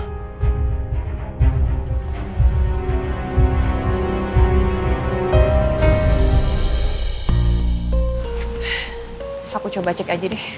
bapak mohon menunggu di luar